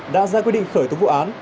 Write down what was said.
đã ra quyết định khởi tố vụ án